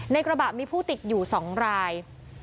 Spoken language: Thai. กระบะมีผู้ติดอยู่๒ราย